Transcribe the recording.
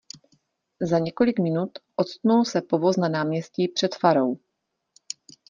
Za několik minut octnul se povoz na náměstí před farou.